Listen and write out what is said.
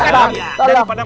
daripada malingnya masuk lagi